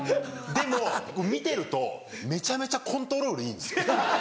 でも見てるとめちゃめちゃコントロールいいんですよ。